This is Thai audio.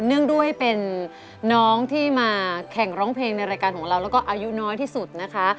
เนื่องด้วยเป็นน้องที่มาแข่งร้องเพลงในรายการของเราแล้วก็อายุน้อยที่สุดนะคะ